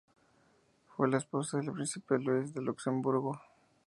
Fue la esposa del príncipe Luis de Luxemburgo.